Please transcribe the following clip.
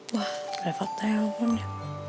wah levatnya yang ampun ya